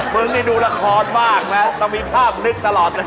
มึงนี่ดูละครมากนะต้องมีภาพนึกตลอดเลย